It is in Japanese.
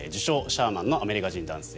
・シャーマンのアメリカ人男性